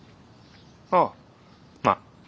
ああまあ。